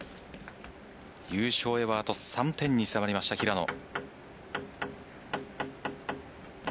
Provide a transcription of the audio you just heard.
優勝へはあと３点に迫りました平野。